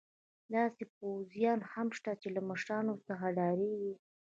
داسې پوځیان هم شته چې له مشرانو څخه ډارېږي.